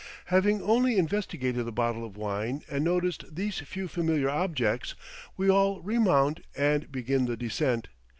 Having duly investigated the bottle of wine and noticed these few familiar objects, we all remount and begin the descent.